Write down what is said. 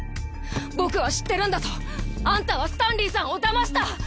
僕は知ってるんだぞ。あんたはスタンリーさんをだました！